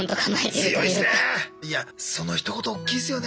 いやそのひと言おっきいですよね。